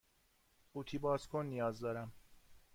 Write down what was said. قوطی باز کن نیاز دارم.